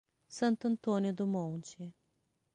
Santo Antônio do Monte